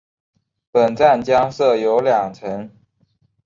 本站将设有两层。